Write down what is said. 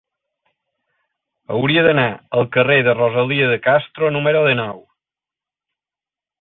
Hauria d'anar al carrer de Rosalía de Castro número dinou.